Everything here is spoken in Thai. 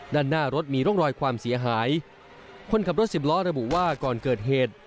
ด้านหน้ารถมีร่องรอยความเสียหายคนขับรถสิบล้อระบุว่าก่อนเกิดเหตุ